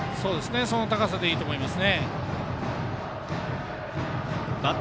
その高さでいいと思います。